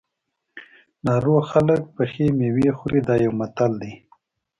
ناروغ خلک پخې مېوې خوري دا یو متل دی.